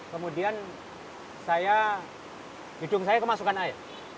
kemudian hidung saya kemasukan air